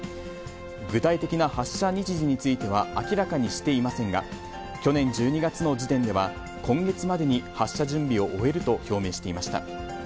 具体的な発射日時については明らかにしていませんが、去年１２月の時点では、今月までに発射準備を終えると表明していました。